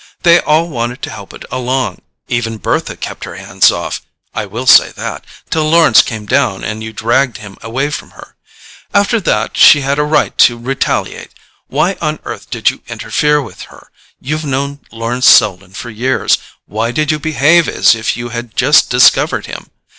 They all wanted to help it along. Even Bertha kept her hands off—I will say that—till Lawrence came down and you dragged him away from her. After that she had a right to retaliate—why on earth did you interfere with her? You've known Lawrence Selden for years—why did you behave as if you had just discovered him?